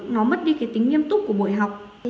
nó mất đi cái tính nghiêm túc của buổi học